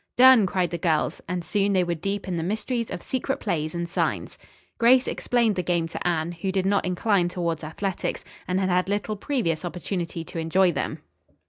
"Done," cried the girls, and soon they were deep in the mysteries of secret plays and signs. Grace explained the game to Anne, who did not incline towards athletics, and had had little previous opportunity to enjoy them.